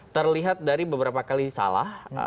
terlihat dari beberapa kali salah